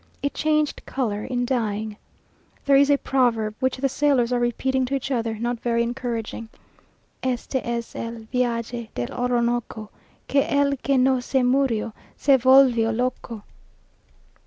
It changed colour in dying. There is a proverb, which the sailors are repeating to each other, not very encouraging: "Este es el viage del Orinoco. Que él que no se murio, se volvió loco."